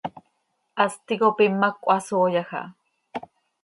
Hast ticop imac cöhasooyaj aha.